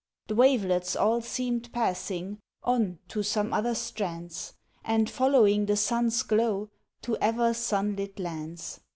The wavelets all seemed passing On, to some other strands, And following the sun's glow, To ever sun lit lands.